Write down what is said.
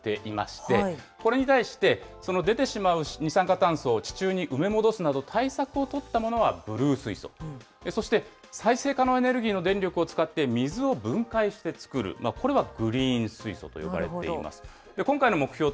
これ、グレー水素と呼ばれていまして、これに対して、その出てしまう二酸化炭素を地中に埋め戻すなど対策を取ったものはブルー水素、そして再生可能エネルギーの電力を使って水を分解して作る、これはグリーン水素といわれています。